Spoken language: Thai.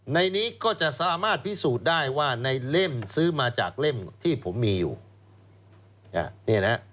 ในนี้ก็จะสามารถพิสูจน์ได้ว่าในเล่มซื้อมาจากเล่มที่ผมมีอยู่